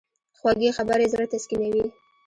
خوږې خبرې زړه تسکینوي.